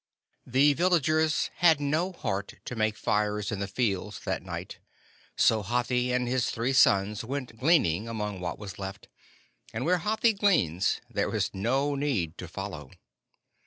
The villagers had no heart to make fires in the fields that night, so Hathi and his three sons went gleaning among what was left; and where Hathi gleans there is no need to follow.